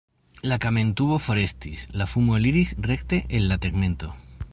La kamentubo forestis, la fumo eliris rekte el la tegmento.